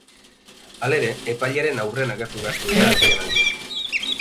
Halere, epailearen aurrean agertu beharko dira aldian-aldian.